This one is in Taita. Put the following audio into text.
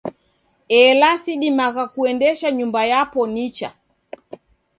Ela sidimagha kuendesha nyumba yapo nicha.